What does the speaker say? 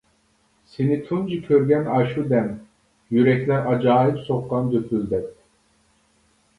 سېنى تۇنجى كۆرگەن ئاشۇ دەم، يۈرەكلەر ئاجايىپ سوققان دۈپۈلدەپ.